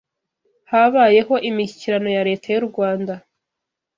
Habayeho imishyikirano ya Leta y’u Rwanda